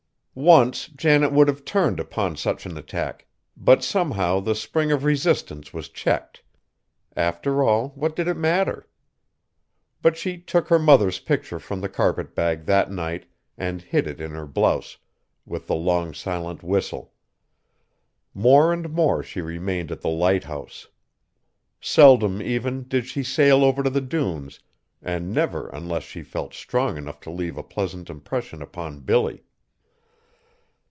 Once Janet would have turned upon such an attack, but somehow the spring of resistance was checked. After all what did it matter? But she took her mother's picture from the carpet bag that night and hid it in her blouse with the long silent whistle! More and more she remained at the lighthouse. Seldom, even, did she sail over to the dunes and never unless she felt strong enough to leave a pleasant impression upon Billy.